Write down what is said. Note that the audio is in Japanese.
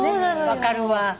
分かるわ。